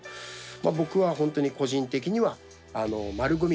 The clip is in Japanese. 僕は本当に個人的にはまるごみ